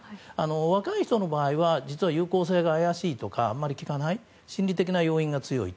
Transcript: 若い人の場合は実は有効性が怪しいとかあまり効かない心理的な要因が強いと。